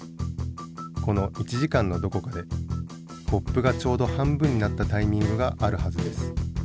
この１時間のどこかでコップがちょうど半分になったタイミングがあるはずです。